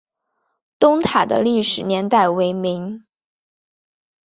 东塔的历史年代为明。